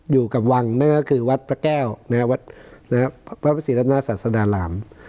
อยู่กับวังนั่นก็คือวัดพระแก้วนะครับวัดนะครับพระพระศรีรัตนาศาสตราหลาม